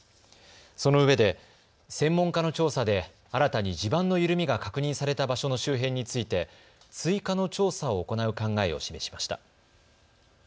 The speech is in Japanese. そのうえで専門家の調査で新たに地盤の緩みが確認された場所の周辺について追加の調査を行う考えを示しました。